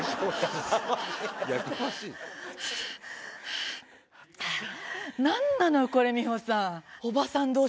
おばさん？